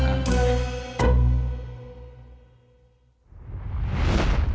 kamu kamu ketawa ketawa di belakang